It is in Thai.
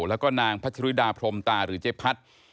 แล้วก็นางพัชริดาพรมตาหรือเจ๊พัด